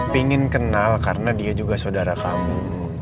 pengen kenal karena dia juga saudara kamu